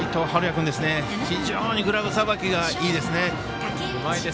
君、非常にグラブさばきがいいですね。